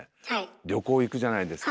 旅行行くじゃないですか。